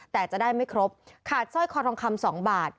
แต่จะได้ไม่ครบขาดสร้อยคอทองคำ๒บาท